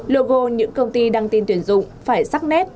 logo những công ty đăng tin tuyển dụng phải sắc nét